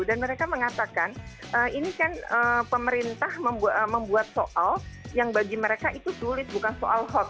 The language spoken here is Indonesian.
dan mereka mengatakan ini kan pemerintah membuat soal yang bagi mereka itu sulit bukan soal hot